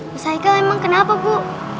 bu saike emang kenapa bu